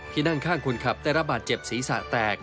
นั่งข้างคนขับได้รับบาดเจ็บศีรษะแตก